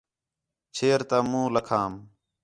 چھیر تا مُنہ لَکھام